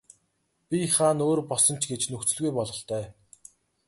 Бие хаа нь өөр болсон ч гэж нөхцөлгүй бололтой.